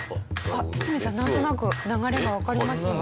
堤さんなんとなく流れがわかりました？